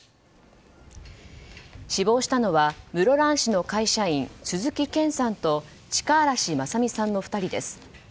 死亡したのは室蘭市の会社員鈴木健さんと力嵐正美さんの２人です。